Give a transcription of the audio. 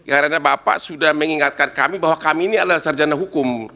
karena bapak sudah mengingatkan kami bahwa kami ini adalah sarjana hukum